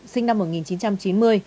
sinh năm một nghìn chín trăm chín mươi